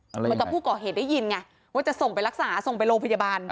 เหมือนกับผู้ก่อเหตุได้ยินไงว่าจะส่งไปรักษาส่งไปโรงพยาบาล